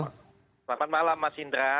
selamat malam mas indra